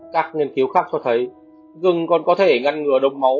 các nghiên cứu khác cho thấy gừng còn có thể ngăn ngừa độc máu